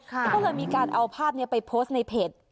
ก็เลยมีการเอาภาพนี้ไปโพสต์ในเพจ